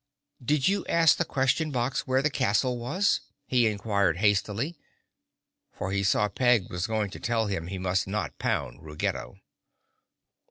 "Did you ask the Question Box where the castle was?" he inquired hastily, for he saw Peg was going to tell him he must not pound Ruggedo.